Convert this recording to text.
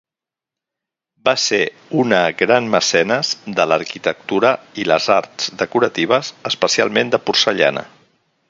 Va ser una gran mecenes de l'arquitectura i les arts decoratives, especialment de porcellana.